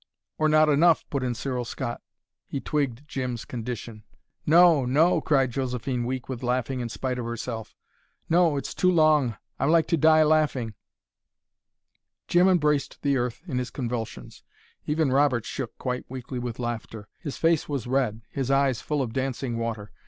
"Or not enough," put in Cyril Scott. He twigged Jim's condition. "No no!" cried Josephine, weak with laughing in spite of herself. "No it's too long I'm like to die laughing " Jim embraced the earth in his convulsions. Even Robert shook quite weakly with laughter. His face was red, his eyes full of dancing water.